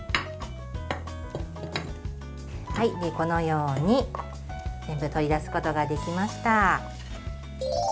このように全部取り出すことができました。